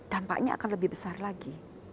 dampaknya akan lebih besar lagi